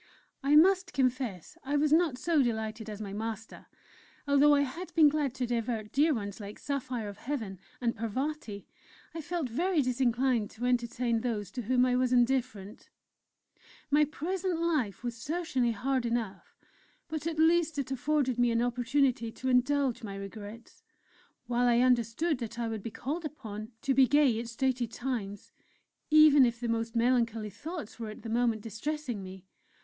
I must confess I was not so delighted as my master. Although I had been glad to divert dear ones like Saphire of Heaven and Parvati, I felt very disinclined to entertain those to whom I was indifferent. My present life was certainly hard enough, but at least it afforded me an opportunity to indulge my regrets; while I understood that I would be called upon to be gay at stated times, even if the most melancholy thoughts were at the moment distressing me.